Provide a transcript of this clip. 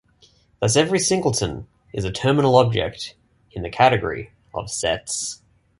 Thus every singleton is a terminal object in the category of sets.